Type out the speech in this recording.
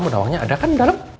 bu nawangnya ada kan di dalam